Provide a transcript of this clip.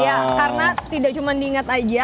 iya karena tidak cuma diingat aja